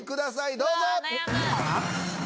どうぞ。